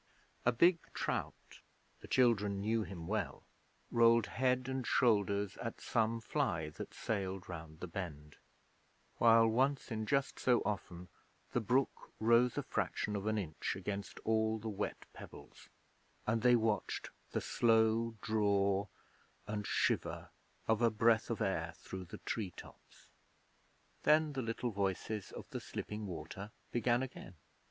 A big trout the children knew him well rolled head and shoulders at some fly that sailed round the bend, while, once in just so often, the brook rose a fraction of an inch against all the wet pebbles, and they watched the slow draw and shiver of a breath of air through the tree tops. Then the little voices of the slipping water began again.